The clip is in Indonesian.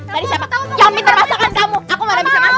tadi siapa yang minta masakan kamu aku malah bisa ngambil